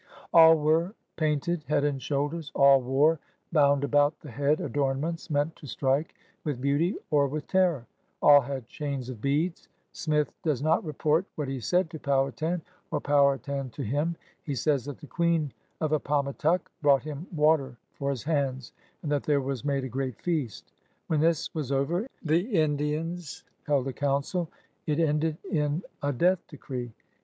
All were painted, head and shoulders; all wore, bound about the head, adornments meant to strike with beauty or with terror; all had chains of beads. Smith does not report what he said to Powhatan, or Powhatan to him. He says that the Quelen of Appamatuck brought him water for his hands, and that there Was made a great feast. When this was over, the Indians held a council. It 46 PIONEERS OF THE OLD SOUTH ended in a death decree.